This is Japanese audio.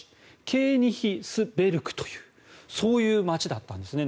ケーニヒスベルクというそういう街だったんですね。